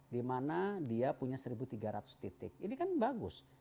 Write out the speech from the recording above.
di mana dia punya seribu tiga ratus titik ini kan bagus